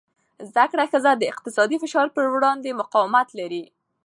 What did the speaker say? زده کړه ښځه د اقتصادي فشار پر وړاندې مقاومت لري.